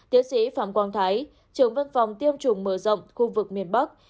tiến sĩ phạm quang thái trường văn phòng tiêm chủng mở rộng khu vực miền bắc